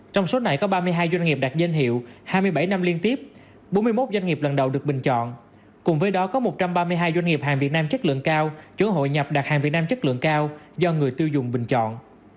trước đó năm hai nghìn tp hcm có một trăm ba mươi hai doanh nghiệp hàng việt nam chất lượng cao chủ hội nhập đặt hàng việt nam chất lượng cao do người tiêu dùng bình chọn